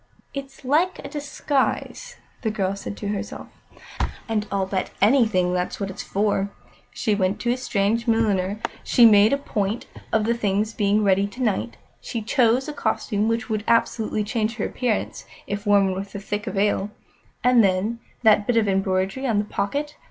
"It's like a disguise," the girl said to herself, "and I'll bet anything that's what it's for. She went to a strange milliner; she made a point of the things being ready to night; she chose a costume which would absolutely change her appearance, if worn with a thick veil. And then that bit of embroidery on the pocket!